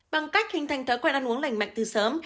bằng cách hình thành thói quen ăn uống lành mạnh từ sớm